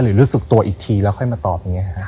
หรือรู้สึกตัวอีกทีแล้วค่อยมาตอบ